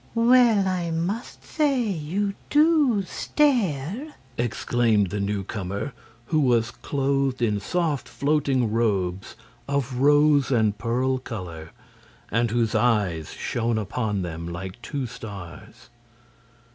"Well, I must say you DO stare!" exclaimed the newcomer, who was clothed in soft floating robes of rose and pearl color, and whose eyes shone upon them like two stars.